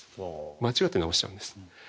間違って直しちゃうんです。